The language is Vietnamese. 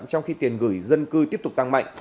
trong khi tiền gửi dân cư tiếp tục tăng mạnh